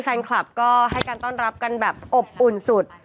แฟนคลับก็ให้การต้อนรับกันแบบอบอุ่นสุด